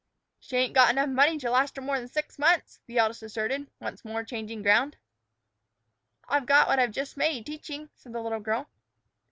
"She ain't got enough money to last her more 'n six months," the eldest asserted, once more changing ground. "I've got what I've just made teaching," said the little girl.